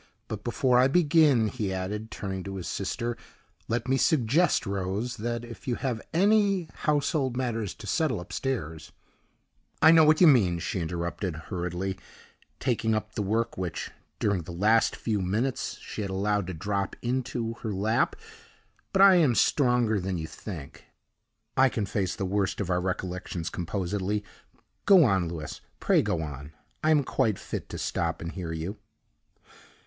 But before I begin," he added, turning to his sister, "let me suggest, Rose, that if you have any household matters to settle upstairs " "I know what you mean," she interrupted, hurriedly, taking up the work which, during the last few minutes, she had allowed to drop into her lap; "but I am stronger than you think; I can face the worst of our recollections composedly. Go on, Louis; pray go on I am quite fit to stop and hear you."